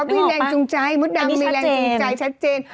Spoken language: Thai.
มีแรงจูงใจมดดำมีแรงจูงใจชัดเจน